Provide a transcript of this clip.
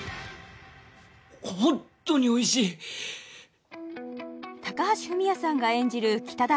本当においしい高橋文哉さんが演じる北田